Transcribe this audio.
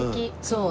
そう。